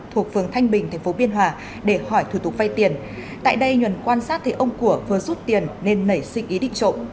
thuộc phường thanh bình tp biên hòa để hỏi thủ tục vay tiền tại đây nhuần quan sát thấy ông của vừa rút tiền nên nảy sinh ý định trộm